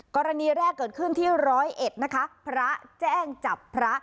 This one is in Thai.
กรณีแรกเกิดขึ้นที่ร้อยเอ็ดนะคะพระแจ้งจับพระ